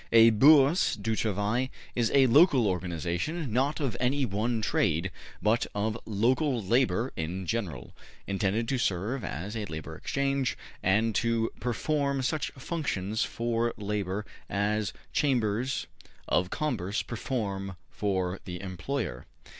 A Bourse du Travail is a local organization, not of any one trade, but of local labor in general, intended to serve as a Labor Exchange and to perform such functions for labor as Chambers of Commerce perform for the employer.